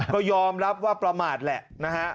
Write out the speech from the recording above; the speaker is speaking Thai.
ก็ยอมรับว่าประมาทแหละนะฮะ